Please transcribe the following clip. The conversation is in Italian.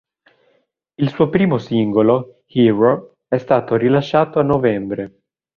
Il suo primo singolo, "Hero", è stato rilasciato a novembre.